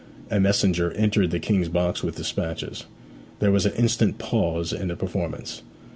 A messenger entered the King's box with despatches. There was an instant pause in the performance.